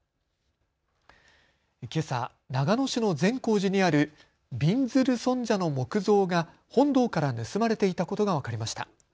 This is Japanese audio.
けさ長野市の善光寺にあるびんずる尊者の木像が本堂から盗まれていたことが分かりました。